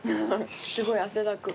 すごい汗だく。